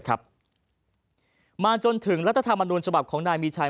มาจนถึงรัฐธรรมนูญฉบับของนายมีชัย